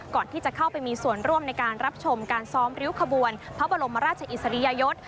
ก่อนที่จะเข้าไปมีส่วนร่วมในการรับชมการซ้อมริ้วขบวนพระบรมราชอิสริยยศ